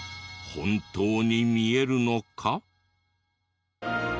本当に見えるのか？